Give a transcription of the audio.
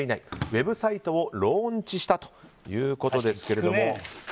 ウェブサイトをローンチしたということですけれども。